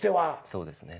そうですね。